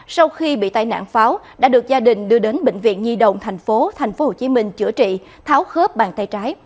sau khi bị tai nạn pháo đã được gia đình đưa đến bệnh viện nhi đồng tp hcm chữa trị tháo khớp bàn tay trái